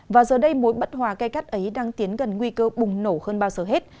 và giờ đây mối bất hòa gây cắt ấy đang tiến gần nguy cơ bùng nổ hơn bao giờ hết